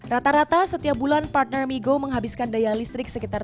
rata rata setiap bulan partner migo menghabiskan daya listrik sekitar tiga puluh delapan lima kw